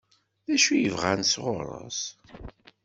D acu i bɣant sɣur-s?